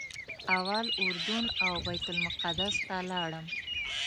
اول اردن او بیت المقدس ته لاړم.